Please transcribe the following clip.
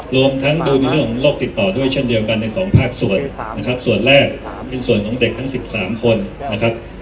รวมทั้งดูในเรื่องของโรคติดต่อด้วยเช่นเดียวกันในสองภาคส่วนนะครับส่วนแรกเป็นส่วนของเด็กทั้ง๑๓คนนะครับ